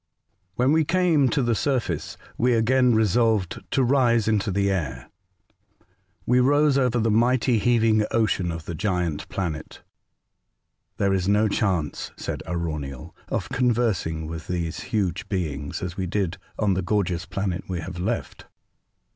WHEN we came to the surface, we again resolved to rise into the air. We rose over the mighty heaving ocean of the giant planet. " There is no chance," said Arauniel, '' of conversing with these huge beings, as we did on the gorgeous planet we have left.